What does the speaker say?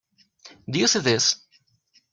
Do you see this?